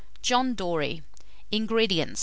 JOHN DORY. 248. INGREDIENTS.